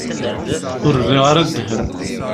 Ur rriɣ ara ddhen.